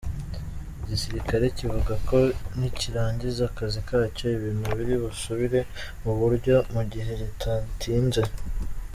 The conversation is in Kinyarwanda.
Igisirikare kivuga ko nikirangiza akazi kacyo ibintu biribusubire mu buryo mu gihe kidatinze.